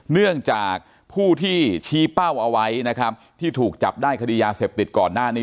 เนื่องจากผู้ที่ชี้เป้าเอาไว้นะครับที่ถูกจับได้คดียาเสพติดก่อนหน้านี้